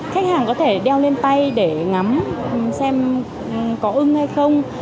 khách hàng có thể đeo lên tay để ngắm xem có ưng hay không